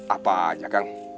apa aja kang